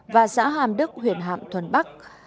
và xã hàm đức huyện hạm thuận bắc